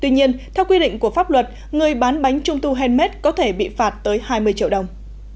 tuy nhiên theo quy định của pháp luật người bán bánh trung thu handmade có thể bị phạt tới hai mươi triệu đồng